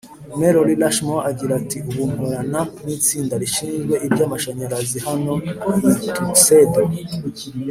Mallory Rushmore agira ati ubu nkorana n itsinda rishinzwe iby amashanyarazi hano i Tuxedo